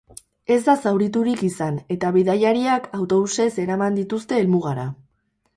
Ez da zauriturik izan, eta bidaiariak autobusez eraman dituzte helmugara.